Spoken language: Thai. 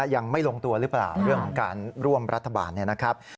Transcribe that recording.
ยังไม่ลงตัวหรือเปล่าเรื่องของการร่วมรัฐบาลเนี่ยนะครับ